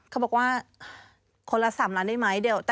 เขาบอกว่าคนละ๓ล้านได้ไหม